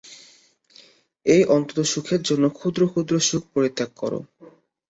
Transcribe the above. এই অনন্ত সুখের জন্য ক্ষুদ্র ক্ষুদ্র সুখ পরিত্যাগ কর।